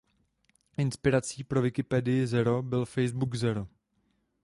Inspirací pro Wikipedii Zero byl Facebook Zero.